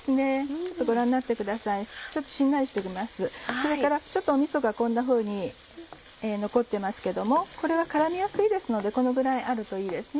それから味噌がこんなふうに残ってますけどもこれは絡みやすいですのでこのぐらいあるといいですね。